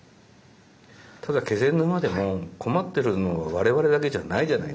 ただ気仙沼でも困ってるのは我々だけじゃないじゃないですか。